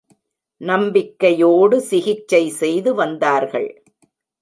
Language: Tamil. நம்பிக்கையோடு சிகிச்சை செய்து வந்தார்கள்.